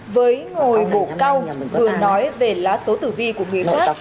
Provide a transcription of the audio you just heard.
với ngồi bổ cao vừa nói về lá số tử vi của người khác